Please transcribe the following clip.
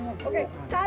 ya boleh dilempar sekarang